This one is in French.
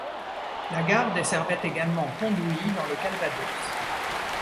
La gare desservait également Pont-d'Ouilly dans le Calvados.